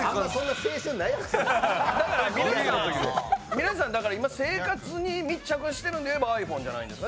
皆さん、今、生活に密着しているといえばｉＰｈｏｎｅじゃないですか。